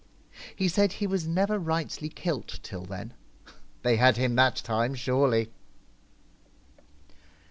He said he was never rightly kilt till then. They had him that time surely